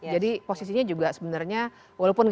jadi posisinya juga sebenarnya walaupun